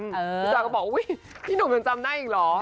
พี่จอยก็บอกอุ๊ยพี่หนุ่มยังจำได้อีกเหรอ